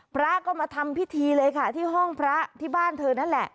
พระก็มาทำพิธีเลยค่ะที่ห้องพระที่บ้านเธอนั่นแหละ